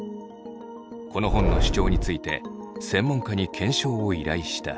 この本の主張について専門家に検証を依頼した。